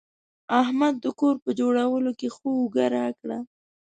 احمد د کور په جوړولو کې ښه اوږه راکړه.